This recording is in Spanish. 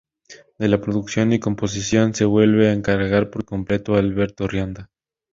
De la producción y composición se vuelve a encargar por completo Alberto Rionda.